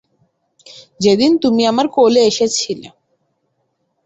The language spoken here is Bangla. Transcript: যেদিন তুমি আমার কোলে এসেছিলে।